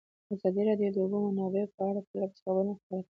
ازادي راډیو د د اوبو منابع په اړه پرله پسې خبرونه خپاره کړي.